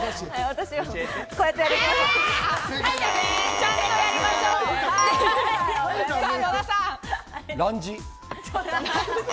私は、こうやってやります。